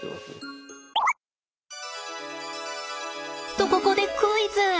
とここでクイズ！